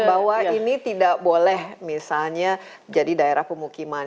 bahwa ini tidak boleh misalnya jadi daerah pemukiman